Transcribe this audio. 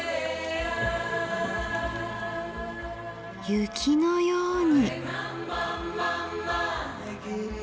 雪のように。